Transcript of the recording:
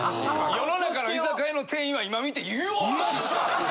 世の中の居酒屋の店員は今見てよっし！